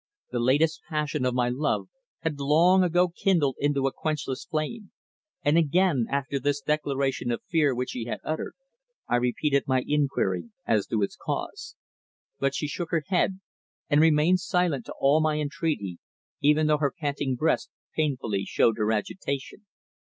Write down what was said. The latest passion of my love had long ago kindled into a quenchless flame, and again, after this declaration of fear which she had uttered, I repeated my inquiry as to its cause. But she shook her head, and remained silent to all my entreaty, even though her panting breast plainly showed her agitation.